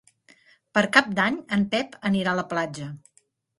Per Cap d'Any en Pep anirà a la platja.